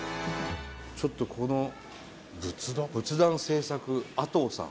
ちょっとこの「仏壇製作あとう」さん。